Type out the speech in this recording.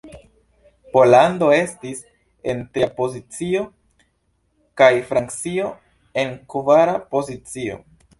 Pollando estis en tria pozicio, kaj Francio en kvara pozicio.